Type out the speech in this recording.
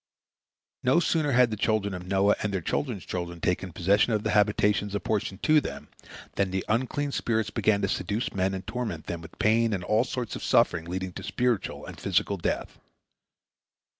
No sooner had the children of Noah and their children's children taken possession of the habitations apportioned to them, than the unclean spirits began to seduce men and torment them with pain and all sorts of suffering leading to spiritual and physical death.